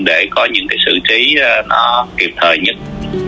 để có những sự trí nó kịp thời nhất